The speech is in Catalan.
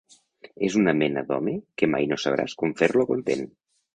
És una mena d'home que mai no sabràs com fer-lo content.